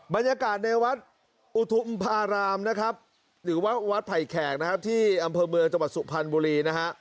บรรยากาศในวัดอุทุมภารามหรือวัดไผ่แขกที่อำเภอเมืองจังหวัดสุพรรณบุรี